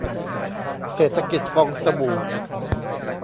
เศรษฐกิจฟองสบู่